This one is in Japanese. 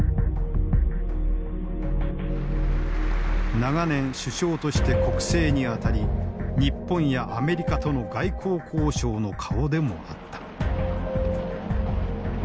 長年首相として国政にあたり日本やアメリカとの外交交渉の顔でもあった。